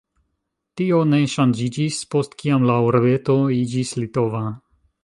Tio ne ŝanĝiĝis, post kiam la urbeto iĝis litova.